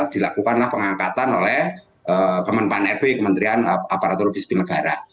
dilakukanlah pengangkatan oleh kementerian aparatur bisnis negara